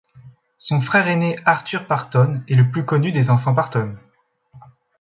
Son frère aîné Arthur Parton est le plus connu des enfants Parton.